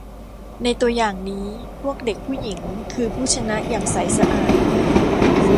ในตัวอย่างนี้ พวกเด็กผู้หญิงคือผู้ชนะอย่างใสสะอาด